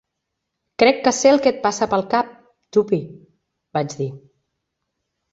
"Crec que sé el que et passa pel cap, Tuppy", vaig dir.